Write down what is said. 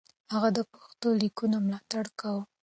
هغه د پښتو ليکنو ملاتړ کاوه.